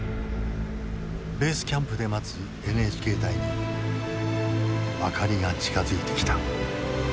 ベースキャンプで待つＮＨＫ隊に明かりが近づいてきた。